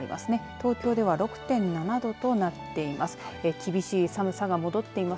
東京では６．７度となっています。